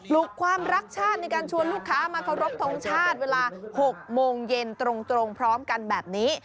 ลุกความรักชาติในการชวนลูกค้ามาเคารพทงชาติเวลา๖โมงเย็นตรงพร้อมกันแบบนี้